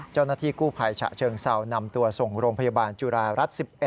เจ้าหน้าที่กู้ภัยฉะเชิงเซานำตัวส่งโรงพยาบาลจุฬารัฐ๑๑